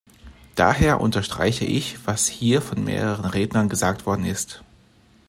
Daher unterstreiche ich, was hier von mehreren Rednern gesagt worden ist.